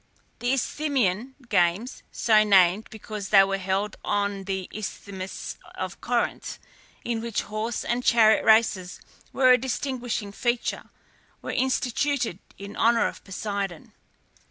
The Isthmian games (so named because they were held on the Isthmus of Corinth), in which horse and chariot races were a distinguishing feature, were instituted in honour of Poseidon.